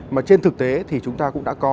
mà trên thực tế thì chúng ta cũng đã có